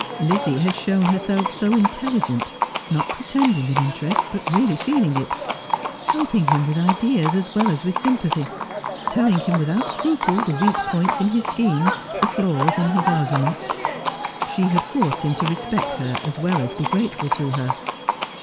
Lizzie had shown herself so intelligent — not pretending an interest, but really feeling it, — helping him with ideas as well as with sympathy ; telling him without scruple the weak points in his schemes, the flaws in his arguments. She had forced him to respect her as well as to be grateful to her.